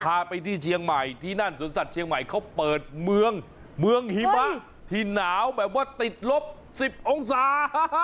พาไปที่เชียงใหม่ที่นั่นสวนสัตว์เชียงใหม่เขาเปิดเมืองเมืองหิมะที่หนาวแบบว่าติดลบ๑๐องศา